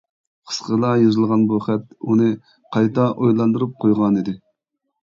قىسقىلا يېزىلغان بۇ خەت ئۇنى قايتا ئويلاندۇرۇپ قويغانىدى.